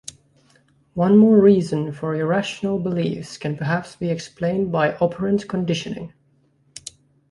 One more reason for irrational beliefs can perhaps be explained by operant conditioning.